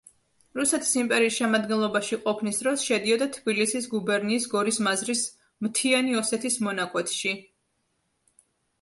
რუსეთის იმპერიის შემადგენლობაში ყოფნის დროს შედიოდა თბილისის გუბერნიის გორის მაზრის მთიანი ოსეთის მონაკვეთში.